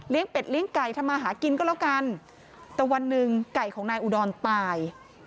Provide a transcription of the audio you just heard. เป็ดเลี้ยงไก่ทำมาหากินก็แล้วกันแต่วันหนึ่งไก่ของนายอุดรตาย